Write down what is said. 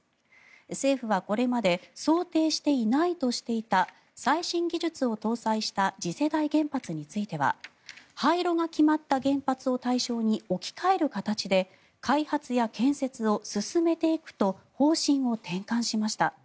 政府はこれまで想定していないとしていた最新技術を搭載した次世代原発については廃炉が決まった原発を対象に置き換える形で開発や建設を進めていくと方針を転換しました。